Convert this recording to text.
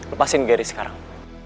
lepasin garis sekarang